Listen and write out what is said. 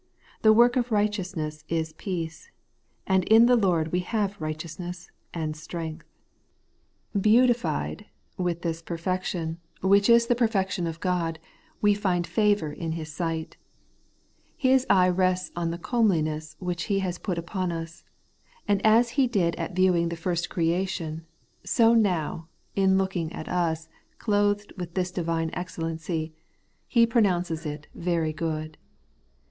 The work of righteousness is peace ; and in the Lord we have righteousness and strength. 180 The Evcrlastiiig Righieoitsness. Beautified with this perfection, which is the perfection of God, we find favour in His sight. His eye rests on the comeliness which He has put upon us; and as He did at viewing the first creation, so now, in looking at us as clothed with this divine excellency, He pronounces it 'very good.